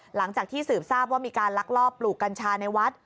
หลังจากที่สืบทราบว่ามีการลักลอบปลูกกัญชาในวัด